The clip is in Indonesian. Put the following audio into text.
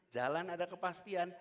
jalan ada kepastian